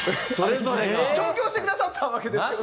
調教してくださったわけですけど。